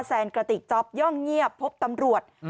แซนกระติกจ๊อปย่องเงียบพบตำรวจ